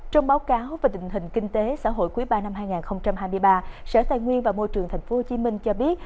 trong báo cáo về tình hình kinh tế xã hội quý ba năm hai nghìn hai mươi ba sở tài nguyên và môi trường tp hcm cho biết